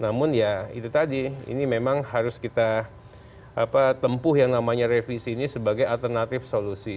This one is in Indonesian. namun ya itu tadi ini memang harus kita tempuh yang namanya revisi ini sebagai alternatif solusi